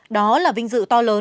đó là vinh dự to lớn